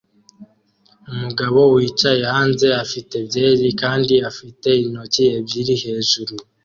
Umugabo wicaye hanze afite byeri kandi afite intoki ebyiri hejuru